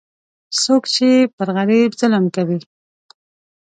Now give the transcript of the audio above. څوک چې پر غریب ظلم کوي،